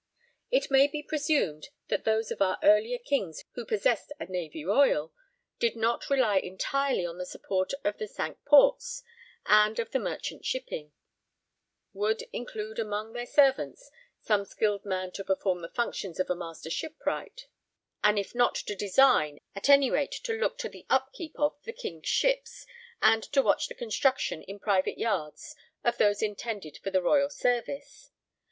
It may be presumed that those of our earlier kings who possessed a navy royal, and did not rely entirely on the support of the Cinque Ports and of the merchant shipping, would include among their servants some skilled man to perform the functions of a master shipwright, and if not to design, at any rate to look to the upkeep of the king's ships and to watch the construction in private yards of those intended for the royal service.